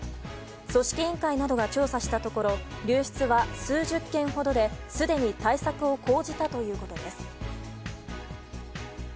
組織委員会などが調査したところ流出は数十件ほどですでに対策を講じたということです。